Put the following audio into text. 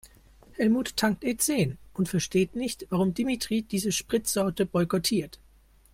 Helmut tankt E-zehn und versteht nicht, warum Dimitri diese Spritsorte boykottiert.